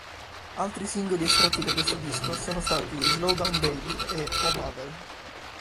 Altri singoli estratti da questo disco sono stati "Slow Down Baby" e "Oh Mother".